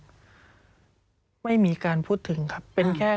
สวัสดีค่ะที่จอมฝันครับ